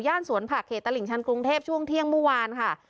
สวนผักเขตตลิ่งชันกรุงเทพช่วงเที่ยงเมื่อวานค่ะ